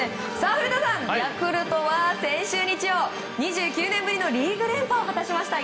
古田さんヤクルトは先週日曜２９年ぶりのリーグ連覇を果たしました。